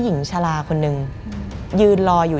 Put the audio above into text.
มันกลายเป็นรูปของคนที่กำลังขโมยคิ้วแล้วก็ร้องไห้อยู่